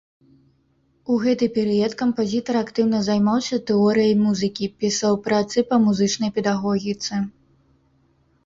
У гэты перыяд кампазітар актыўна займаўся тэорыяй музыкі, пісаў працы па музычнай педагогіцы.